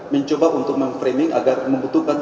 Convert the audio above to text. mencoba untuk memframing agar membutuhkan